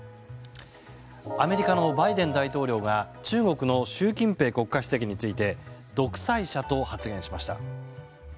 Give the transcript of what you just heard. アメリカのバイデン大統領が中国の習近平国家主席について独裁者と発言しました。